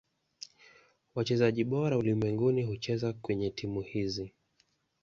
Wachezaji bora ulimwenguni hucheza kwenye timu hizi.